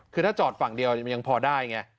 คือถ้าจอดฝั่งเดียวมันยังพอได้ไง